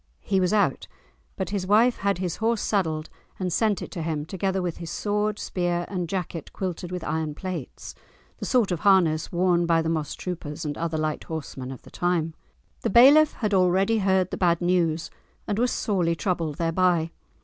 He was out, but his wife had his horse saddled and sent it to him, together with his sword, spear, and jacket quilted with iron plates, the sort of harness worn by the moss troopers and other light horsemen of the time. The bailiff had already heard the bad news, and was sorely troubled thereby.